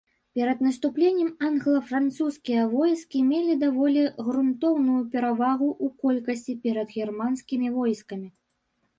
Перад наступленнем англа-французскія войскі мелі даволі грунтоўную перавагу ў колькасці перад германскімі войскамі.